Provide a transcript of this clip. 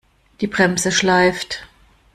Die Bremse schleift.